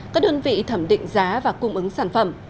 các đơn vị thẩm định giá và cung ứng sản phẩm